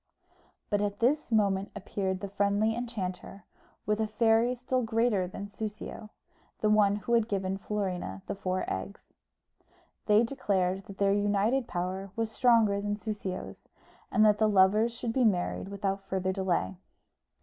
But at this moment appeared the friendly enchanter, with a fairy still greater than Soussio, the one who had given Florina the four eggs. They declared that their united power was stronger than Soussio's, and that the lovers should be married without further delay.